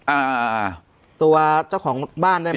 อ่าตัวเจ้าของบ้านได้ไหม